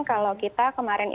kalau kita kemarin itu